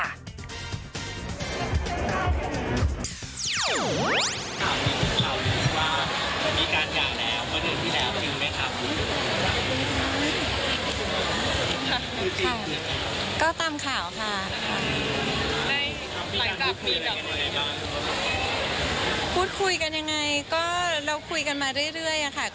หรือทั้งที่ต่ำนังก็มีอากาศอะไรเพิ่มเติม